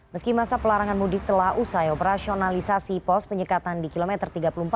meski masa pelarangan mudik telah usai operasionalisasi pos penyekatan di kilometer tiga puluh empat